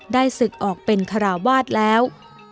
ได้ศึกออกเป็นขระวาดแล้ว